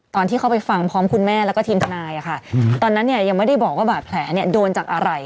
ตอนที่เข้าไปฟังพร้อมคุณแม่แล้วก็ทีมทนายอะค่ะตอนนั้นเนี่ยยังไม่ได้บอกว่าบาดแผลเนี่ยโดนจากอะไร